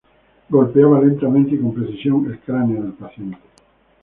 Golpeaba lentamente y con precisión el cráneo del paciente.